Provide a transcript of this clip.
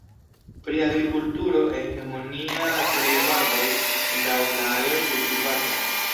Pri agrikulturo hegemonias olivarboj laŭ la areo kultivata.